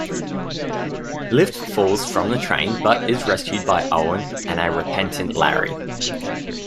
Lift falls from the train but is rescued by Owen and a repentant Larry.